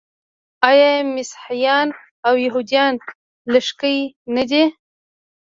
آیا مسیحیان او یهودان لږکي نه دي؟